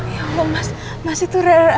ya mas mas itu